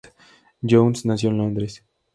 Jones nació en Londres.